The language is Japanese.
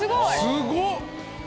すごっ！